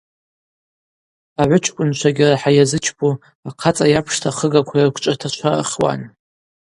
Агӏвычкӏвынчвагьи рахӏа йазычпу ахъацӏа йапшта ахыгаква йрыквчӏвата чва рхуан.